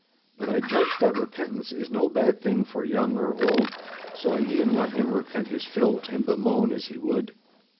But I judged that repentance is no bad thing for young or old, so I e'en let him repent his fill and bemoan as he would.